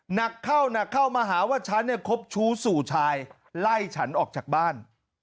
หนักเข้าหนักเข้ามาหาว่าฉันเนี่ยคบชู้สู่ชายไล่ฉันออกจากบ้าน